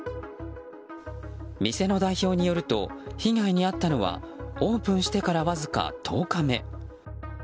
店の代表によると被害に遭ったのはオープンしてからわずか１０日目。